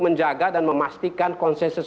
menjaga dan memastikan konsensus